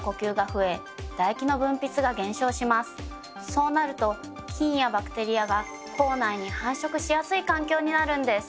そうなると菌やバクテリアが口内に繁殖しやすい環境になるんです。